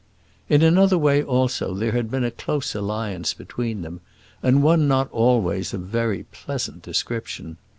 In another way also there had been a close alliance between them, and one not always of a very pleasant description.